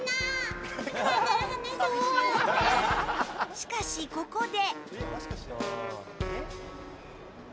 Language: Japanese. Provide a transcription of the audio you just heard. しかし、ここで。